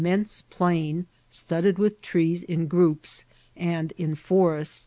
SM immoMe plain, studded with trees in groups and in forest.